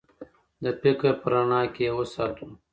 د فکر په رڼا کې یې وساتو.